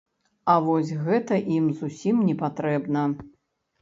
А вось гэта ім зусім непатрэбна.